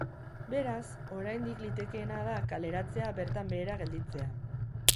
Beraz, oraindik litekeena da kaleratzea bertan behera gelditzea.